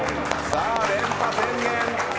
さあ、連覇宣言！